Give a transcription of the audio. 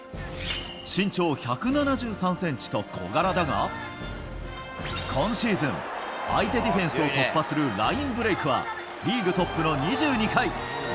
身長１７３センチと小柄だが、今シーズン、相手ディフェンスを突破するラインブレイクは、リーグトップの２２回。